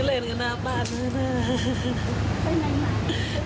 เล่นกับหน้าบ้านเมื่อไหร่